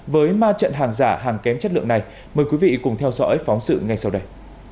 với ma trận hàng giả hàng kém chất lượng này mời quý vị cùng theo dõi phóng sự ngay sau đây